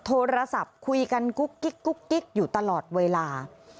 โทรศัพท์คุยกันกุ๊กกิ๊กยูตลอดเวลา